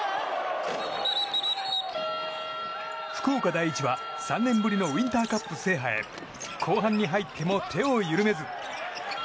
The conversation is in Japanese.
福岡第一は３年ぶりのウインターカップ制覇へ後半に入っても手を緩めず。